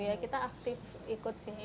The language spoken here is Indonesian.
iya kita aktif ikut sini